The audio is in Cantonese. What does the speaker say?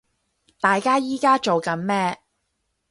大家依家做緊咩